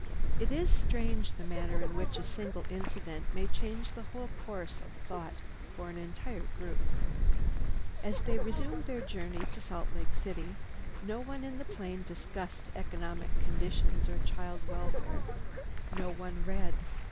It is strange the manner in which a single incident may change the whole course of thought for an entire group. As they resumed their journey to Salt Lake City, no one in the plane discussed economic conditions or child welfare. No one read.